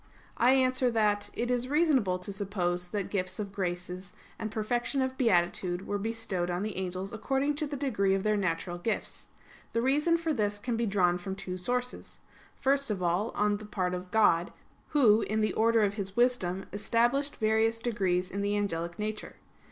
I answer that, It is reasonable to suppose that gifts of graces and perfection of beatitude were bestowed on the angels according to the degree of their natural gifts. The reason for this can be drawn from two sources. First of all, on the part of God, Who, in the order of His wisdom, established various degrees in the angelic nature.